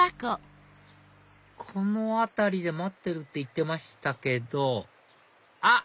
この辺りで待ってるって言ってましたけどあっ！